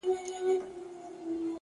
ورته نظمونه ليكم”